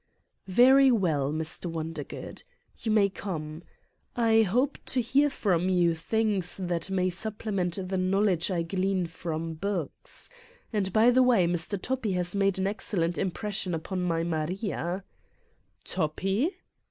"Very well, Mr. Wondergood. You may come. I hope to hear from you things that may supple ment the knowledge I glean from my books. And, by the way, Mr. Toppi has made an excellent im pression upon my Maria" ' "Toppi?"